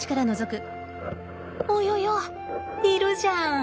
およよ？いるじゃん。